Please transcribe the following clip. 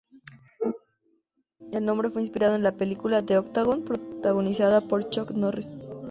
El nombre fue inspirado en la película The Octagon protagonizada por Chuck Norris.